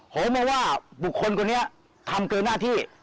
ผมมองว่าบุคคลคนนี้ทำเกินหน้าที่